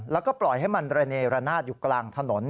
แล้วก็ปล่อยให้มันระเนรนาศอยู่กลางถนน